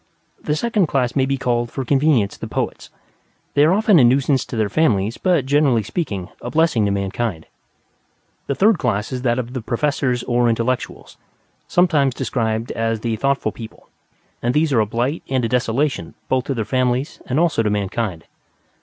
The second class may be called for convenience the Poets; they are often a nuisance to their families, but, generally speaking, a blessing to mankind. The third class is that of the Professors or Intellectuals; sometimes described as the thoughtful people; and these are a blight and a desolation both to their families and also to mankind.